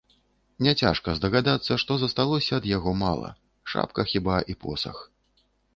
Няцяжка здагадацца, што засталося ад яго мала, шапка хіба і посах.